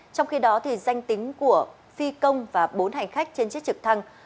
trong khi đó danh tính của phi công và bốn hành khách trên chiếc trực thăng